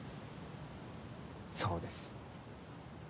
そうです